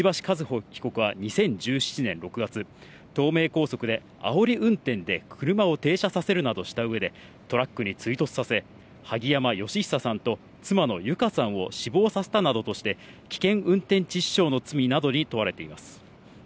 和歩被告は２０１７年６月、東名高速であおり運転で車を停車させるなどした上で、トラックに追突させ、萩山嘉久さんと妻の友香さんを死亡させたなどとして、危険運転致死傷の罪などに問われています。